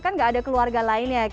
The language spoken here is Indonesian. kan nggak ada keluarga lainnya